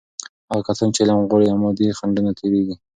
هغه کسان چې علم غواړي، له مادي خنډونو تیریږي.